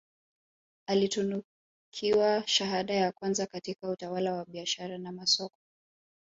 Alitunukiwa shahada ya kwanza katika utawala wa biashara na masoko